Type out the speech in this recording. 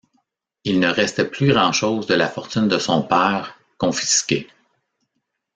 Il ne restait plus grand chose de la fortune de son père, confisquée.